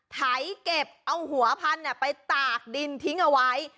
ไถเก็บเอาหัวพันธุ์ไปตากดินทิ้งเอาไว้